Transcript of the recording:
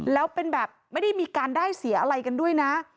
แล้วเป็นแบบไม่ได้มีการได้เสียอะไรกันด้วยนะ